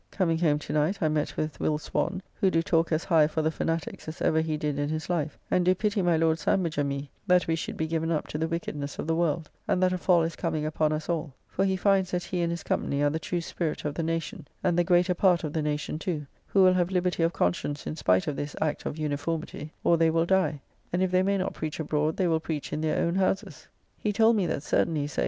Coming home to night, I met with Will. Swan, who do talk as high for the Fanatiques as ever he did in his life; and do pity my Lord Sandwich and me that we should be given up to the wickedness of the world; and that a fall is coming upon us all; for he finds that he and his company are the true spirit of the nation, and the greater part of the nation too, who will have liberty of conscience in spite of this "Act of Uniformity," or they will die; and if they may not preach abroad, they will preach in their own houses. He told me that certainly Sir H.